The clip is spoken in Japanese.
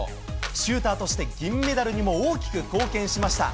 シューターとして銀メダルにも大きく貢献しました。